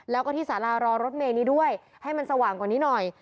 แล้วก็ที่สารารอรถเมย์นี้ด้วยให้มันสว่างกว่านี้หน่อย